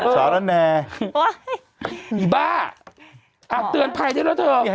สวัสดีครับคุณผู้ชม